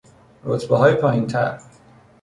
رتبههای پایینتر